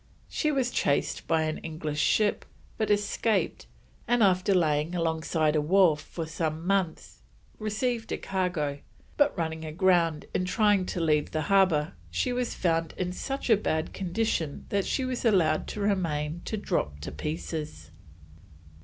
She was chased by an English ship, but escaped, and after laying alongside a wharf for some months received a cargo, but running aground in trying to leave the harbour, she was found in such a bad condition that she was allowed to remain to drop to pieces.